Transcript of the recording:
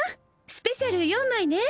スペシャル４枚ね・